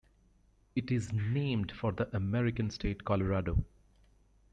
It is named for the American state, Colorado.